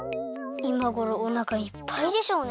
いまごろおなかいっぱいでしょうね。